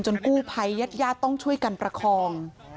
จนกู้ไพรยัดยาตร์ต้องช่วยกันประคอง